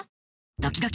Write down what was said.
ドキドキ。